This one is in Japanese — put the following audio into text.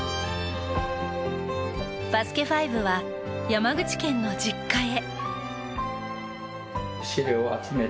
「バスケ☆ＦＩＶＥ」は山口県の実家へ。